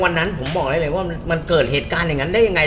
วันนั้นผมบอกได้เลยว่ามันเกิดเหตุการณ์อย่างนั้นได้ยังไง